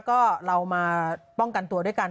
ก็เรามาป้องกันตัวด้วยกัน